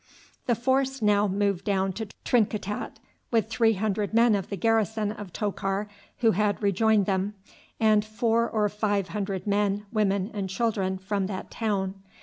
The force now moved down to Trinkitat with three hundred men of the garrison of Tokar who had rejoined them, and four or five hundred men, women, and children from that town.